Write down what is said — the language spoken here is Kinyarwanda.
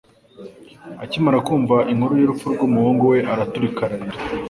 Akimara kumva inkuru y'urupfu rw'umuhungu we, araturika ararira